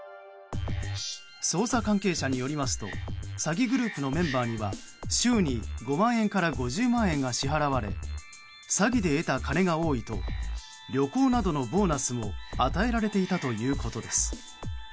捜査関係者によりますと詐欺グループのメンバーには週に５万円から５０万円が支払われ詐欺で得た金が多いと旅行などのボーナスも与えられていたということです。